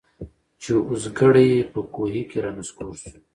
چي اوزګړی په کوهي کي را نسکور سو